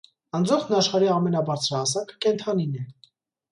Ընձուղտն աշխարհի ամենաբարձրահասակ կենդանին է։